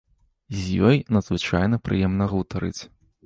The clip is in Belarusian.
З ёй надзвычайна прыемна гутарыць.